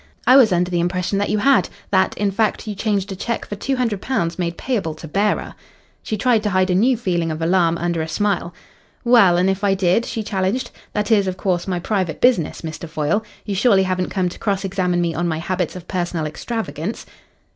"I was under the impression that you had that, in fact, you changed a cheque for £200 made payable to bearer." She tried to hide a new feeling of alarm under a smile. "Well, and if I did?" she challenged. "That is, of course, my private business, Mr. Foyle. You surely haven't come to cross examine me on my habits of personal extravagance?"